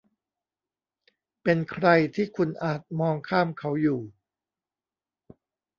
เป็นใครที่คุณอาจมองข้ามเขาอยู่